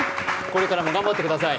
これからも頑張ってください。